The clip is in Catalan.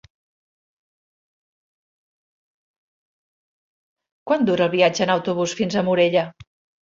Quant dura el viatge en autobús fins a Morella?